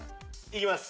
いきます。